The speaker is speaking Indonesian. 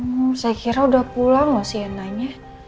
hmm saya kira udah pulang loh sienna nya